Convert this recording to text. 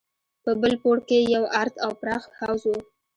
په بل پوړ کښې يو ارت او پراخ حوض و.